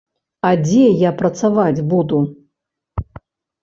А дзе я працаваць буду?